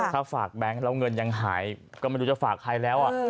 ถ้าฝากแบงค์แล้วเงินยังหายก็ไม่รู้จะฝากใครแล้ว